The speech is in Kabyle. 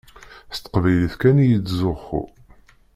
S teqbaylit kan i yettzuxxu.